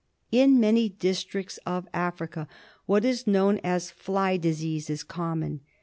In many districts of Africa what is known as fly disease is common.